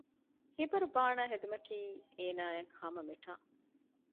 ހިބަރު ބާނައި ހެދުމީ އޭނާއަށް ހަމަ މެޓާ